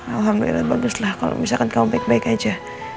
alhamdulillah baguslah kalo misalkan kamu baik baik aja